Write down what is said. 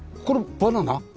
これバナナ？